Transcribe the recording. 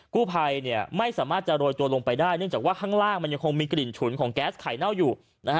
กู้ภัยไม่สามารถจะโรยตัวลงไปได้เนื่องจากว่าข้างล่างมันยังคงมีกลิ่นฉุนของแก๊สไข่เน่าอยู่นะฮะ